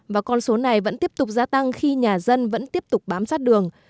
và con số này vẫn tiếp tục gia tăng khi nhà dân vẫn tiếp tục bám sát đường